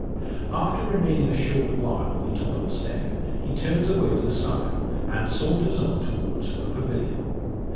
After remaining a short while on the top of the stair, he turns away with a sigh, and saunters on towards the pavilion.